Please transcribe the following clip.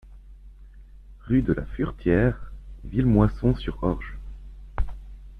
Rue de la Furetière, Villemoisson-sur-Orge